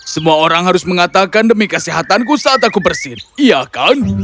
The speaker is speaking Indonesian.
semua orang harus mengatakan demi kesehatanku saat aku bersin iya kan